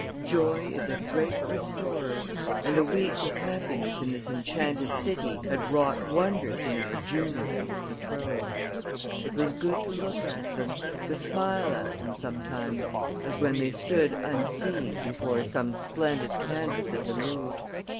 Joy is a great restorer, and a week of happiness in this enchanted city had wrought wonders in our junior and his betrothed. It was good to look at them to smile at them sometimes; as when they stood unseeing before some splendid canvas at the Louvre.